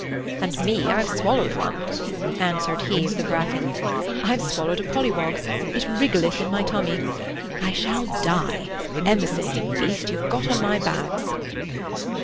"And me, I've swallowed one," answered he of the bracken. "I've swallowed a pollywog. It wriggleth in my tummy. I shall die—Emerson you beast, you've got on my bags."